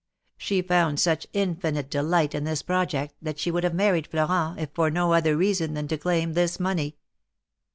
She found such infinite delight in this project that she would have married Florent, if for no other reason than to claim this money.